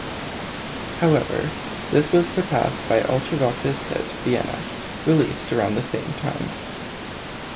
However, this was surpassed by Ultravox's hit "Vienna", released around the same time.